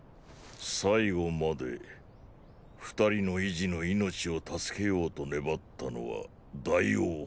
最後まで二人の遺児の命を助けようと粘ったのは大王本人らしいです。